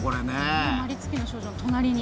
まりつきの少女の隣に。